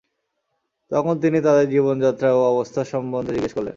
তখন তিনি তাদের জীবনযাত্রা ও অবস্থা সম্বন্ধে জিজ্ঞেস করলেন।